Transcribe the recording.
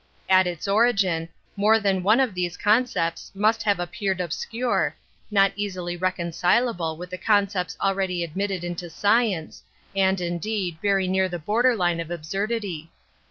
At its origin, more than one of these concepts must have appeared obscure, not easily reconcilable with the concepts already ad mitted into science, and indeed very near the border line of absurdity.